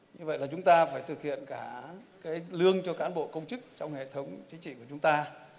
như vậy là chúng ta phải thực hiện cả cái lương cho cán bộ công chức trong hệ thống chính trị của chúng ta